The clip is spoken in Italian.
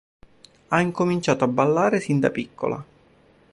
Ha incominciato a ballare sin da piccola.